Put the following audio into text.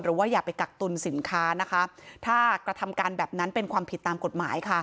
หรือว่าอย่าไปกักตุลสินค้าถ้ากระทำการแบบนั้นเป็นความผิดตามกฎหมาย